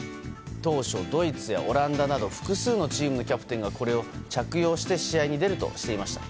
当初、ドイツやオランダなど複数のチームのキャプテンがこれを着用して試合に出るとしていました。